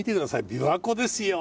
琵琶湖ですよ！